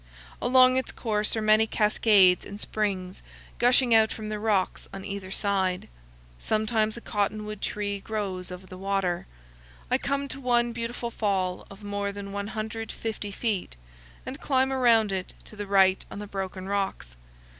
Along its course are many cascades and springs, gushing out from the rocks on either side. Sometimes a cottonwood tree grows over the water. I come to one beautiful fall, of more than 150 feet, and climb around it to the right on the broken rocks.